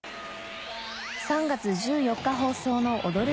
３月１４日放送の『踊る！